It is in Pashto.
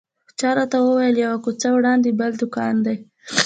چا راته وویل یوه کوڅه وړاندې بل دوکان دی.